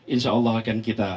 insyaallah akan kita